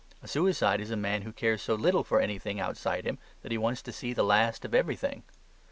A suicide is a man who cares so little for anything outside him, that he wants to see the last of everything.